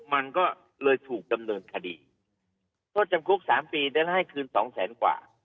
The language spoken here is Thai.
มันก็เลยถูกดำเนินคดีโทษจำคุกสามปีนั้นให้คืนสองแสนกว่า